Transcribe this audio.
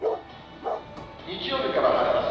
日曜日から晴れます。